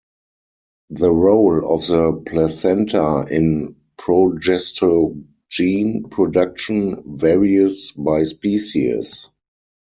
The role of the placenta in progestogen production varies by species.